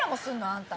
あんた。